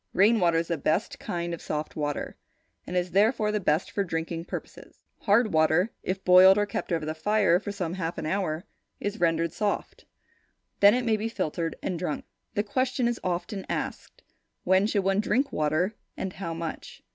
Rain water is the best kind of soft water, and is therefore, the best for drinking purposes. Hard water, if boiled and kept over the fire for some half an hour, is rendered soft. Then it may be filtered and drunk. The question is often asked, "When should one drink water, and how much?"